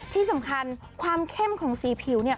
ที่สำคัญความเข้มของสีผิวเนี่ย